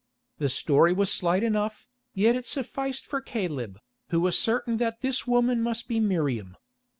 The story was slight enough, yet it sufficed for Caleb, who was certain that this woman must be Miriam.